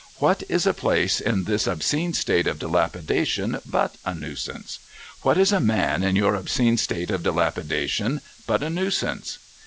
' What is a place in this obscene state of dilapidation but a Nuisance ? "\V' hat is a man in your obscene state of dilapidation but a Nuisance?